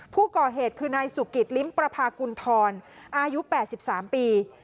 ผู้ก่อเหตุคือนายสุกิตลิ้มประพากุณฑรอายุ๘๓ปี